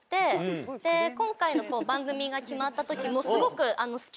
今回の番組が決まった時もすごく。